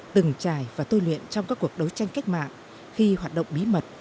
từng trải và tôi luyện trong các cuộc đấu tranh cách mạng khi hoạt động bí mật